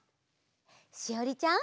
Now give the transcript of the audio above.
しおりちゃん。